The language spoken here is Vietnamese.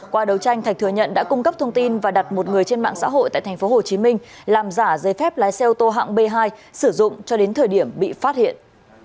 qua đấu tranh thạch thừa nhận đã cung cấp thông tin và đặt một người trên mạng xã hội tại tp hcm làm giả giấy phép lái xe ô tô hạng b hai sử dụng cho đến thời điểm bị phát hiện